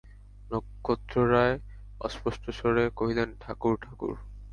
নক্ষত্ররায় অস্পষ্টস্বরে কহিলেন, ঠাকুর–ঠাকুর!